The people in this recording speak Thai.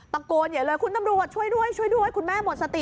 ตะโกนอย่าเลยคุณตำรวจช่วยด้วยคุณแม่หมดสติ